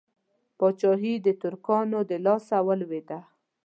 پاچهي د ترکانو د لاسه ولوېده.